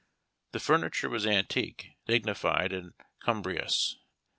The furniture was antique, dignified, and cumbrous.